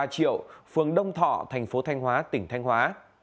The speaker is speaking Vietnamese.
ba triệu phường đông thọ tp thanh hóa tỉnh thanh hóa